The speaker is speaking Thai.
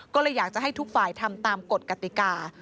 ก็เลยอยากจะให้ทุกฝ่ายทำตามกฎกติกา